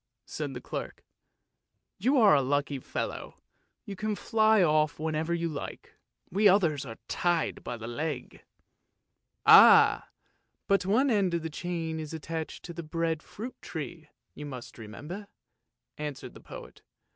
said the clerk. " You are a lucky fellow. You can fly off whenever you like, we others are tied by the leg! " "Ah! but one end of the chain is attached to the bread fruit tree, you must remember," answered the poet.